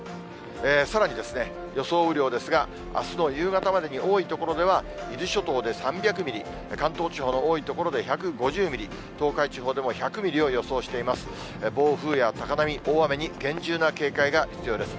さらに予想雨量ですが、あすの夕方までに多い所では伊豆諸島で３００ミリ、関東地方の多い所で１５０ミリ、東海地方でも１００ミリを予想しています。